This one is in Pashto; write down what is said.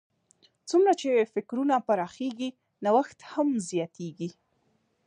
څومره چې فکرونه پراخېږي، نوښت هم زیاتیږي.